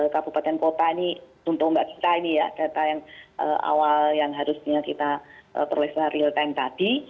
kabupaten kota ini untuk mbak kita ini ya data yang awal yang harusnya kita peroleh real time tadi